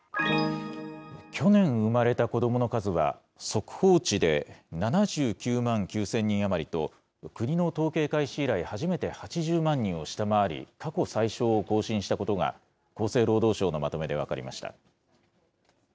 去年生まれた子どもの数は、速報値で７９万９０００人余りと、国の統計開始以来、初めて８０万人を下回り、過去最少を更新したことが、厚生労働省のまとめで分かりました。